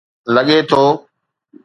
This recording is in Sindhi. لڳي ٿو.